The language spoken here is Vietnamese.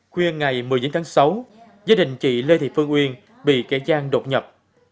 khuya ngày một mươi chín tháng sáu gia đình chị lê thị phương uyên bị kẻ gian đột nhập